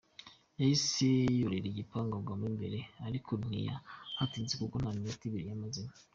Yahise yurira igipangu agwamo imbere, ariko ntiyahatinze, kuko nta n’iminota ibiri yamazemo.